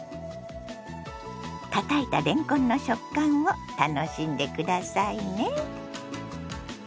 たたいたれんこんの食感を楽しんで下さいね。